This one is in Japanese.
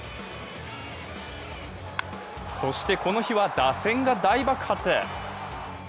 そして、この日は打線が大爆発。